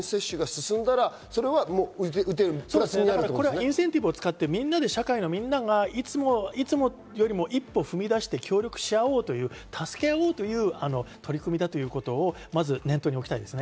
インセンティブを使って、みんながいつもよりも一歩踏み出して協力し合おうという、助け合おうという取り組みだということをまず念頭に置きたいですね。